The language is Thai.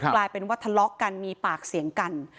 กลายเป็นว่าทะเลาะกันมีปากเสียงกัน